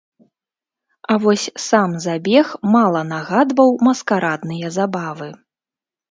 А вось сам забег мала нагадваў маскарадныя забавы.